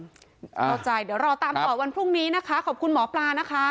เข้าใจเดี๋ยวรอตามต่อวันพรุ่งนี้นะคะขอบคุณหมอปลานะคะ